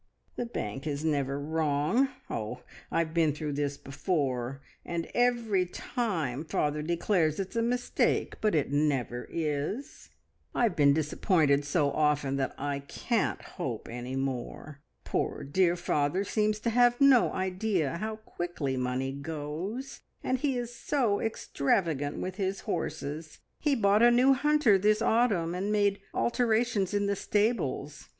"The bank is never wrong! Oh, I've been through this before, and every time father declares it's a mistake, but it never is! I've been disappointed so often that I can't hope any more. Poor dear father seems to have no idea how quickly money goes, and he is so extravagant with his horses. He bought a new hunter this autumn, and made alterations in the stables.